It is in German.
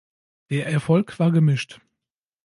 Der Erfolg war gemischt.